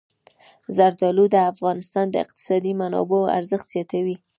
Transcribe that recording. زردالو د افغانستان د اقتصادي منابعو ارزښت زیاتوي.